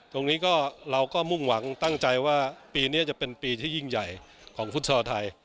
ตรงนี้ก็เราก็มุ่งหวังตั้งใจว่าปีนี้จะเป็นปีที่ยิ่งใหญ่ของฟุตซอลไทย